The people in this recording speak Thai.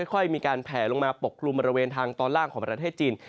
ค่อยมีการแผลลงมาปกกลุ่มบริเวณทางตอนล่างของประเทศจีน